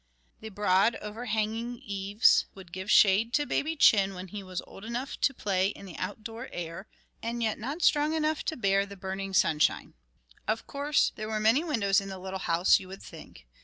The broad, overhanging eaves would give shade to baby Chin when he was old enough to play in the outdoor air, and yet not strong enough to bear the burning sunshine. Of course, there were many windows in the little house, you would think.